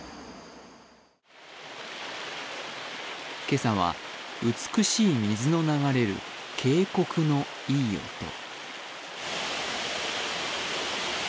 今朝は美しい水の流れる渓谷のいい音。